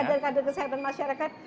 kadir kadir kesehatan masyarakat